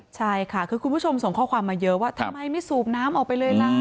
ใช่ค่ะคือคุณผู้ชมส่งข้อความมาเยอะว่าทำไมไม่สูบน้ำออกไปเลยล่ะ